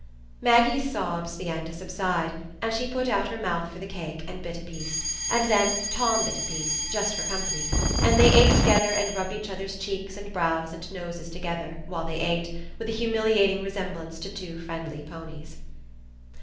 Maggie's sobs began to subside, and she put out her mouth for the cake and bit a piece; and then Tom bit a piece, just for company, and they ate together and rubbed each other's cheeks and brows and noses together, while they ate, with a humiliating resemblance to two friendly ponies.